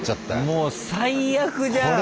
もう最悪じゃん。